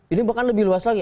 ini bahkan lebih luas lagi